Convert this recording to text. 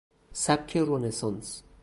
سبک رنسانس